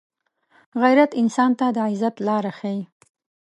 غیرت انسان ته د عزت لاره ښيي